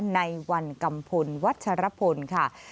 ในวันกัมพลวัชรพลค่ะ